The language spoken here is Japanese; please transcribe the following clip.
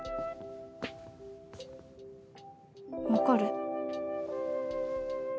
分かる。